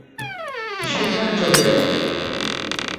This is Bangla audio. সেইখানে চলে গেল।